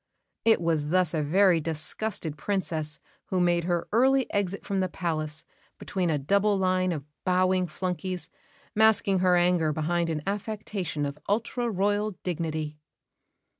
It was thus a very disgusted Princess who made her early exit from the palace between a double line of bowing flunkeys, masking her anger behind an affectation of ultra Royal dignity.